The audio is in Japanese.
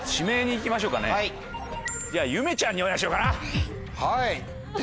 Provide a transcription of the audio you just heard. じゃあゆめちゃんにお願いしようかな！